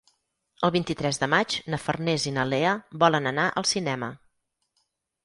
El vint-i-tres de maig na Farners i na Lea volen anar al cinema.